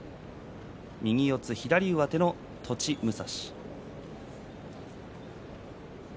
右四つ左上手の栃武蔵。